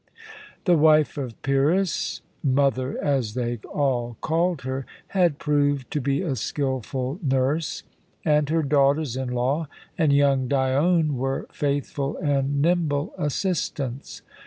The wife of Pyrrhus "mother," as they all called her had proved to be a skilful nurse, and her daughters in law and young Dione were faithful and nimble assistants.